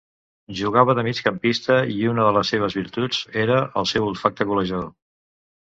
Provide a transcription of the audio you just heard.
Jugava de migcampista i una de les seves virtuts era el seu olfacte golejador.